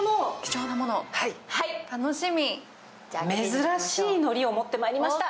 珍しいのりを持ってまいりました。